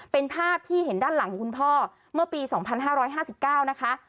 เป็นภาพที่เห็นด้านหลังของคุณพ่อเมื่อปี๒๕๕๙นะคะ